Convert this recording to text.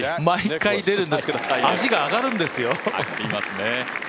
毎回、出るんですけど足が上がるんですよ。